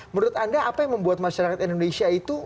menurut anda apa yang membuat masyarakat indonesia itu